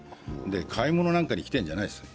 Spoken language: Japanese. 買い物なんかに来ているんじゃないですよ。